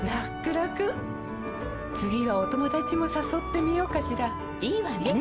らくらくはお友達もさそってみようかしらいいわね！